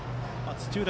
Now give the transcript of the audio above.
土浦